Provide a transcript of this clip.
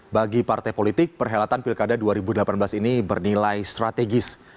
bagi partai politik perhelatan pilkada dua ribu delapan belas ini bernilai strategis